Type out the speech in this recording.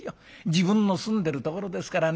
自分の住んでるところですからね